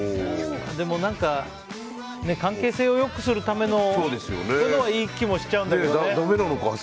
でも、何か関係性をよくするためのそういうのはいい気もしちゃうんだけどね。